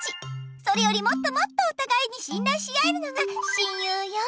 それよりもっともっとおたがいにしんらいし合えるのが親友よ。